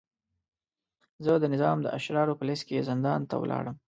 زه د نظام د اشرارو په لست کې زندان ته ولاړم.